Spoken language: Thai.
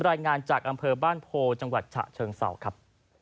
รายงานจากอำเภอบ้านโพจังหวัดฉะเชิงเศร้าครับ